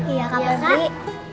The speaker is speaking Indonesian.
iya kak febri